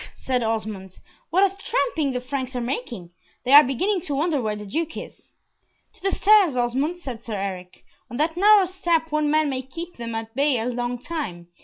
said Osmond, "what a tramping the Franks are making. They are beginning to wonder where the Duke is." "To the stairs, Osmond," said Sir Eric. "On that narrow step one man may keep them at bay a long time.